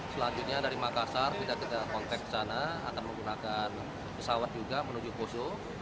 selanjutnya dari makassar kita kontak ke sana akan menggunakan pesawat juga menuju poso